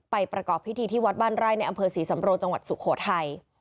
ประกอบพิธีที่วัดบ้านไร่ในอำเภอศรีสำโรจังหวัดสุโขทัย